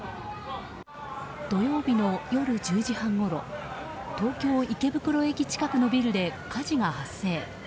土曜日の夜１０時半ごろ東京・池袋駅近くのビルで火事が発生。